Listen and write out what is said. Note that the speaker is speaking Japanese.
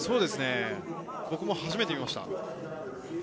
僕も初めて見ました。